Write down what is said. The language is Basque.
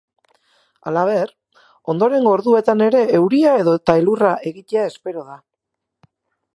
Halaber, ondorengo orduetan ere euria edota elurra egitea espero da.